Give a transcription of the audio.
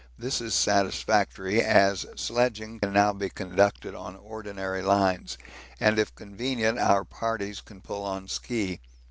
This is satisfactory, as sledging can now be conducted on ordinary lines, and if convenient our parties can pull on ski.